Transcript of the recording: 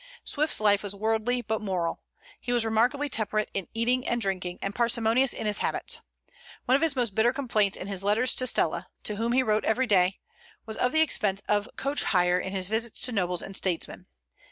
Swift's life was worldly, but moral. He was remarkably temperate in eating and drinking, and parsimonious in his habits. One of his most bitter complaints in his letters to Stella to whom he wrote every day was of the expense of coach hire in his visits to nobles and statesmen.